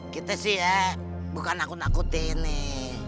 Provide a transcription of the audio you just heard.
kita sih ya bukan aku nakutin nih